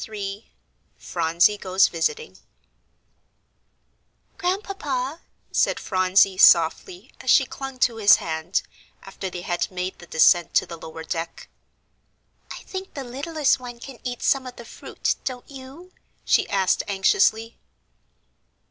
III PHRONSIE GOES VISITING "Grandpapa," said Phronsie, softly, as she clung to his hand, after they had made the descent to the lower deck, "I think the littlest one can eat some of the fruit, don't you?" she asked anxiously.